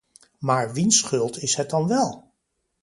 Maar wiens schuld is het dan wel?